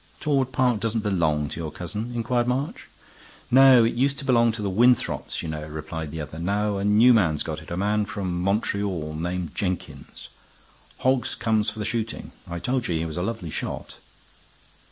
"Torwood Park doesn't belong to your cousin?" inquired March. "No; it used to belong to the Winthrops, you know," replied the other. "Now a new man's got it; a man from Montreal named Jenkins. Hoggs comes for the shooting; I told you he was a lovely shot."